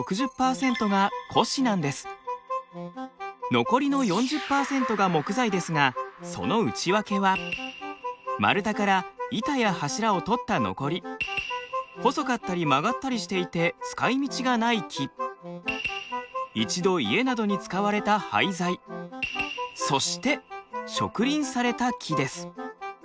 残りの４０％が木材ですがその内訳は丸太から板や柱を取った残り細かったり曲がったりしていて使いみちがない木一度家などに使われた廃材そして植林された木です。